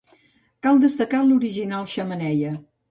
Cal destacar l'original xemeneia.